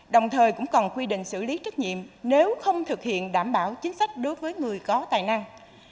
đồng thời cũng cần quy định xử lý trách nhiệm nếu không thực hiện đảm bảo chính sách đối với người có tài năng